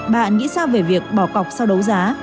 bạn nghĩ sao về việc bỏ cọc sau đấu giá